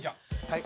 はい。